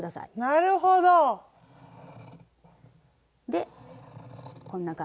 なるほど！でこんな感じで。